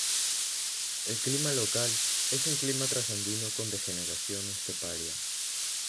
El clima local es un clima trasandino con degeneración esteparia.